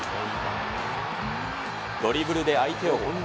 ドリブルで相手を翻弄。